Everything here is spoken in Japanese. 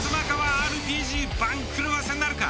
ＲＰＧ番狂わせなるか。